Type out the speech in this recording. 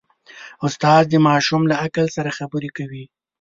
استاد د ماشوم له عقل سره خبرې کوي.